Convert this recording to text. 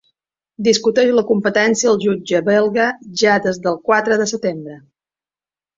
Discuteix la competència al jutge belga ja des del quatre de setembre.